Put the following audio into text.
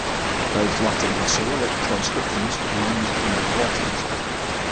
Both Latin and Cyrillic transcriptions were used in their writings.